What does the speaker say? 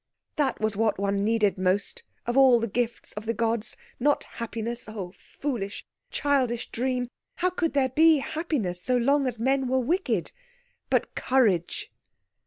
That was what one needed most, of all the gifts of the gods not happiness oh, foolish, childish dream! how could there be happiness so long as men were wicked? but courage.